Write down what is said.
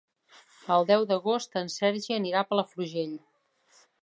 El deu d'agost en Sergi anirà a Palafrugell.